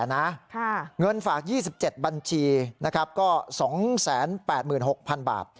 เงินฝาก๒๗บัญชีก็๒๘๖๐๐๐บาท